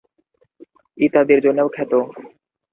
ইত্যাদির জন্যেও খ্যাত।